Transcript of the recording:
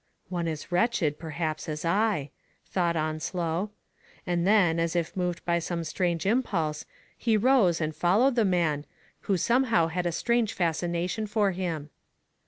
"One as wretched, perhaps, as I," thought On slow; and then, as if moved by some strange impulse, he rose and followed the man, who somehow had a strange fascination for him.